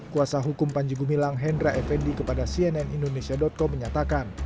kuasa hukum panji gumilang hendra effendi kepada cnn indonesia com menyatakan